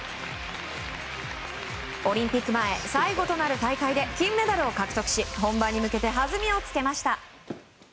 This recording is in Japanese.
オリンピック前最後となる大会で金メダルを獲得し本番に向けてはずみをつけました。